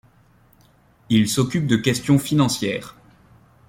Il s'occupe de questions financières.